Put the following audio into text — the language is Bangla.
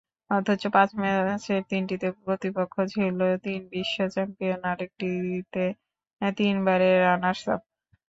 অথচ পাঁচ ম্যাচের তিনটিতে প্রতিপক্ষ ছিল তিন বিশ্ব চ্যাম্পিয়ন, আরেকটিতে তিনবারের রানার্সআপ।